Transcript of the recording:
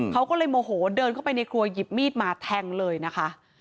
เขาก็เลยโมโหเดินเข้าไปในครัวหยิบมีดมาแทงเลยนะคะ